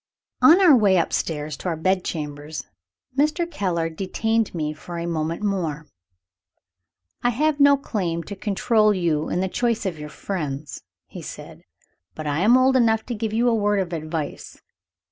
On our way upstairs to our bed chambers, Mr. Keller detained me for a moment more. "I have no claim to control you in the choice of your friends," he said; "but I am old enough to give you a word of advice.